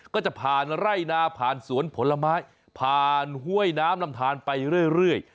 ก็จะผ่านไร่นาผ่านสวนผลไม้ผ่านห้วยน้ำลำทานไปเรื่อย